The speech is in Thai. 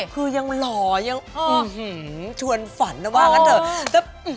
คือยังหล่อยังชวนฝันนะว่างั้นเถอะ